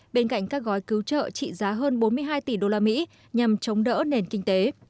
bên cạnh các gói cứu trợ trị giá hơn bốn mươi hai tỷ đô la mỹ nhằm chống đỡ nền kinh tế